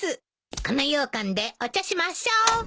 このようかんでお茶しましょう！